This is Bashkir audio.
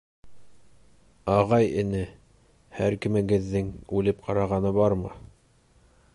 — Ағай-эне, һәр кемегеҙҙең үлеп ҡарағаны бармы?